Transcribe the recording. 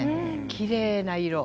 きれいな色。